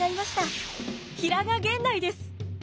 平賀源内です。